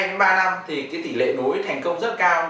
trong vòng hai ba năm thì cái tỉ lệ nối thành công rất cao